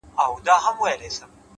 ستا د يادونو فلسفې ليكلي ـ